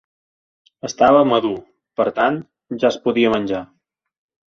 Estava madur, per tant, ja es podia menjar.